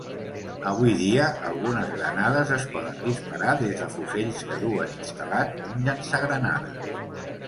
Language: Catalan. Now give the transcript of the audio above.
Avui dia, algunes granades es poden disparar des de fusells que duen instal·lat un llançagranades.